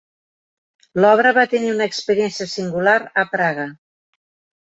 L'obra va tenir una experiència singular a Praga.